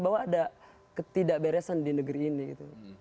bahwa ada ketidakberesan di negeri ini gitu